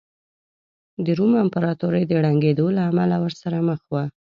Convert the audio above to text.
د روم امپراتورۍ د ړنګېدو له امله ورسره مخ وه